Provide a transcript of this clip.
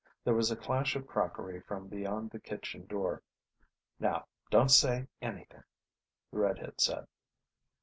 There was a clash of crockery from beyond the kitchen door. "Now don't say anything," the red head said.